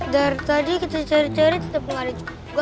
dari tadi kita cari cari tetep gak ada juga